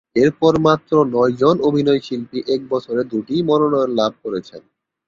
এরপর মাত্র নয়জন অভিনয়শিল্পী এক বছরে দুটি মনোনয়ন লাভ করেছেন।